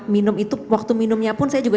minum itu waktu minumnya pun saya juga